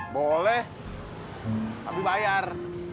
boleh tapi bayar